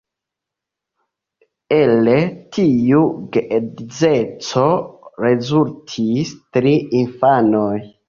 El tiu geedzeco rezultis tri infanoj.